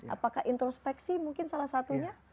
apakah introspeksi mungkin salah satunya